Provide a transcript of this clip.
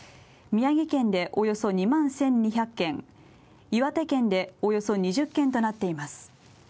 宮城県でおよそ２万１２００軒、岩手県でおよそ２０軒となっています。